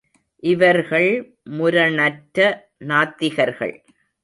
இவர்கள் முரணற்ற நாத்திகர்கள்.